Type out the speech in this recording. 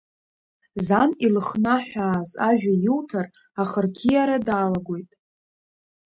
Зан илыхнаҳәааз, ажәа иуҭар, ахырқьиара далагоит.